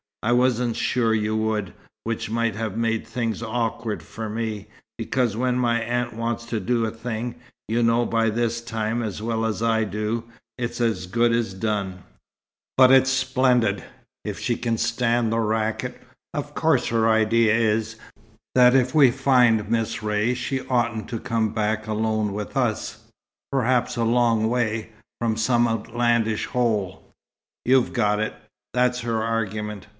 I wasn't sure you would, which might have made things awkward for me; because when my aunt wants to do a thing, you know by this time as well as I do, it's as good as done." "But it's splendid if she can stand the racket. Of course her idea is, that if we find Miss Ray she oughtn't to come back alone with us, perhaps a long way, from some outlandish hole." "You've got it. That's her argument.